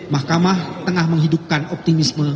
mahkamah tengah menghidupkan optimisme